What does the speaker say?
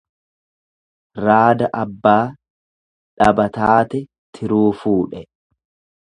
Raada abbaa dhaba taate tiruu fuudhe.